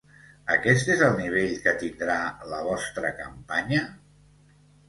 Aquest és el nivell que tindrà la vostra campanya?